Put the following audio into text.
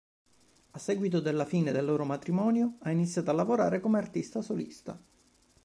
A seguito della fine del loro matrimonio ha iniziato a lavorare come artista solista.